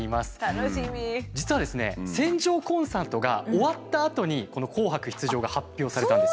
実はですね船上コンサートが終わったあとにこの「紅白」出場が発表されたんです。